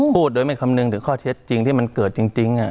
พูดโดยไม่คำนึงถึงข้อเท็จจริงที่มันเกิดจริง